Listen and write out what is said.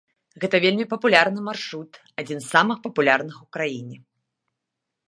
Гэта вельмі папулярны маршрут, адзін з самых папулярных у краіне.